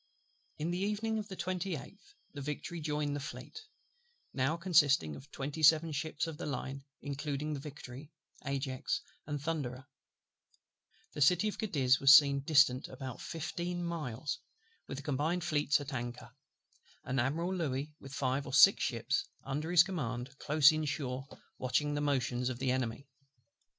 In the evening of the 28th, the Victory joined the Fleet; now consisting of twenty seven ships of the line, including the Victory, Ajax, and Thunderer: the city of Cadiz was seen distant about fifteen miles, with the Combined Fleets at anchor; and Admiral LOUIS, with five or six ships under his command, close in shore, watching the motions of the Enemy.